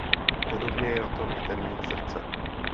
Podobně je na tom i termín srdce.